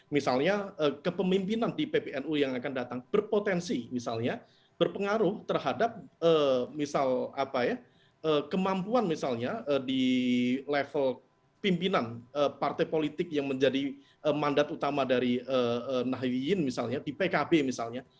misalnya kepemimpinan di pbnu yang akan datang berpotensi misalnya berpengaruh terhadap misal apa ya kemampuan misalnya di level pimpinan partai politik yang menjadi mandat utama dari nahiwiin misalnya di pkb misalnya